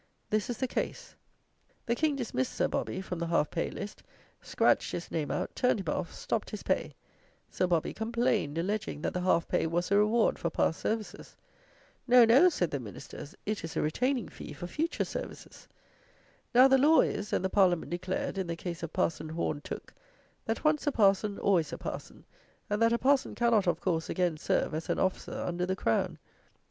This is the case: the King dismissed Sir Bobby from the half pay list, scratched his name out, turned him off, stopped his pay. Sir Bobby complained, alleging, that the half pay was a reward for past services. No, no, said the Ministers: it is a retaining fee for future services. Now, the law is, and the Parliament declared, in the case of parson Horne Tooke, that once a parson always a parson, and that a parson cannot, of course, again serve as an officer under the crown.